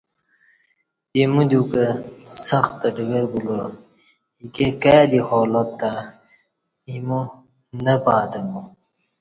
ایمو دیوکہ سخت ڈگر بولا اِیکے کائ دی حالات تہ اِیمو نہ پاتمو